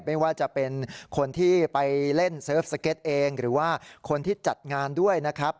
ไม่ว่าจะเป็นคนที่ไปเล่นเซิร์ฟสเก็ตเองหรือว่าคนที่จัดงานด้วยนะครับ